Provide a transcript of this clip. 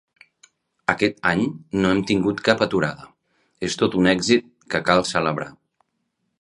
Aquest any no hem tingut cap aturada. És tot un èxit que cal celebrar.